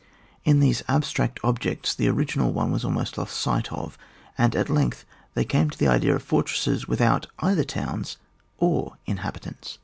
In these abstract objects the original one was almost lost sight of, and at length they came to the idea of fortresses without either towns or in habitants.